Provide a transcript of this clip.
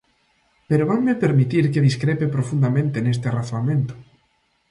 Pero vanme permitir que discrepe profundamente neste razoamento.